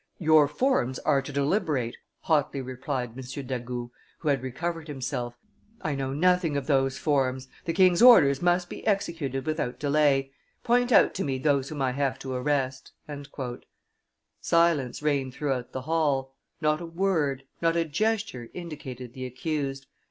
"Your forms are to deliberate," hotly replied M. d'Agoult, who had recovered himself; "I know nothing of those forms, the king's orders must be executed without delay; point out to me those whom I have to arrest." Silence reigned throughout the hall; not a word, not a gesture indicated the accused.